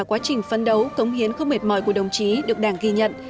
quá trình phấn đấu cống hiến không mệt mỏi của đồng chí được đảng ghi nhận